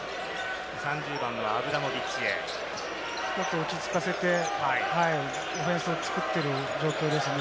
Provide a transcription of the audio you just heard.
落ち着かせて、オフェンスを作っている状況ですね。